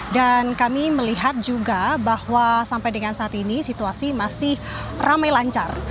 dan kami melihat juga bahwa sampai dengan saat ini situasi masih ramai lancar